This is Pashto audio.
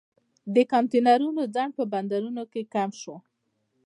د کانټینرونو ځنډ په بندرونو کې کم شوی